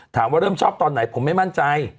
ถามว่าเริ่มชอบตอนไหนผมไม่มั่นใจ